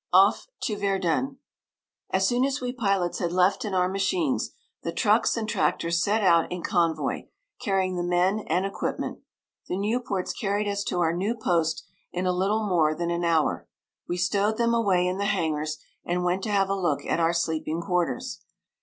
OFF TO VERDUN As soon as we pilots had left in our machines, the trucks and tractors set out in convoy, carrying the men and equipment. The Nieuports carried us to our new post in a little more than an hour. We stowed them away in the hangars and went to have a look at our sleeping quarters.